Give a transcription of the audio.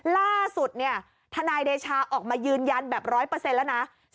ล่าสุดเนี่ยทนายเดชาออกมายืนยันแบบ๑๐๐แล้วนะ